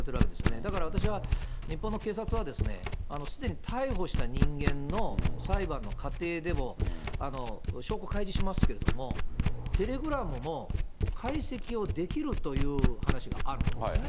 だから私は、日本の警察は、すでに逮捕した人間の裁判の過程でも、証拠開示しますけれども、テレグラムも解析をできるという話があるんですね。